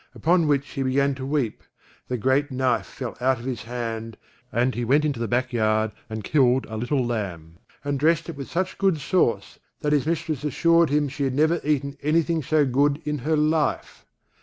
Upon which he began to weep, the great knife fell out of his hand, and he went into the back yard, and killed a little lamb, and dressed it with such good sauce, that his mistress assured him she had never eaten anything so good in her life.